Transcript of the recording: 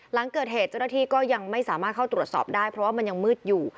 หลังเกิดเหตุเจ้าหน้าที่ก็ยังไม่สามารถเข้าตรวจสอบได้เพราะว่ามันยังมืดอยู่